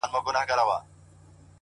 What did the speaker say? داسي محراب غواړم داسي محراب راکه